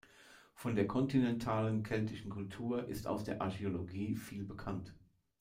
Von der kontinentalen keltischen Kultur ist aus der Archäologie viel bekannt.